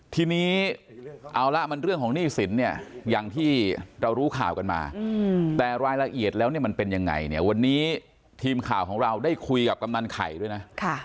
ทีนี้เอาละมันเรื่องของหนี้สินเนี่ยอย่างที่เรารู้ข่าวกันมาแต่รายละเอียดแล้วเนี่ยมันเป็นยังไงเนี่ยวันนี้ทีมข่าวของเราได้คุยกับกำนันไข่ด้วยนะ